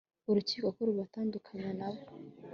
urukiko ko rubatandukanya nabo